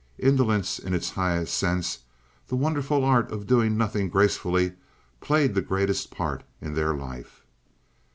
Indolence, in its highest sense the wonderful art of doing nothing gracefully, played the greatest part in their life.